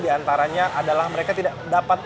di antaranya adalah mereka tidak dapat